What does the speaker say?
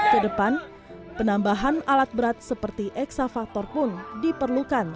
kedepan penambahan alat berat seperti eksavator pun diperlukan